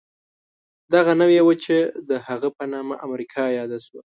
دغه نوې وچه د هغه په نامه امریکا یاده شوه.